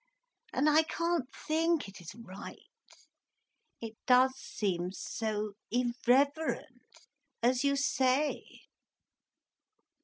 And I can't think it is right—it does seem so irreverent, as you say."